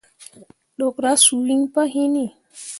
Ɗukra suu iŋ pah hinni.